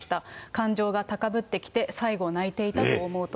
感情が高ぶってきて、最後泣いていたと思うと。